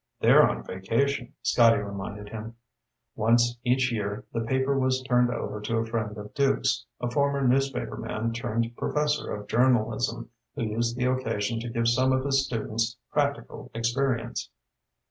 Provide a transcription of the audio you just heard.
"They're on vacation," Scotty reminded him. Once each year, the paper was turned over to a friend of Duke's, a former newspaperman turned professor of journalism, who used the occasion to give some of his students practical experience.